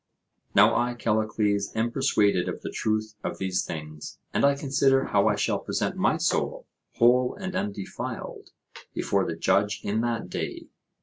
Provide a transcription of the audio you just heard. Now I, Callicles, am persuaded of the truth of these things, and I consider how I shall present my soul whole and undefiled before the judge in that day.